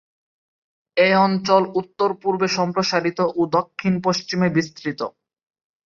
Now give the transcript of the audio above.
এ অঞ্চল উত্তর-পূর্বে সম্প্রসারিত ও দক্ষিণ-পশ্চিমে বিস্তৃত।